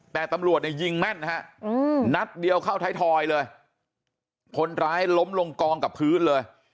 แต่ตำรวจเนี่ยยิงแม่นฮะนัดเดียวเข้าไทยทอยเลยคนร้ายล้มลงกองกับพื้นเลย